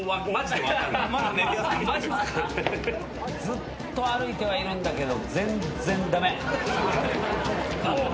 ずっと歩いてはいるんだけど全然駄目。